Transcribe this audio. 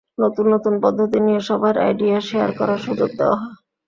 নতুন নতুন পদ্ধতি নিয়ে সবার আইডিয়া শেয়ার করার সুযোগ দেওয়া হয়।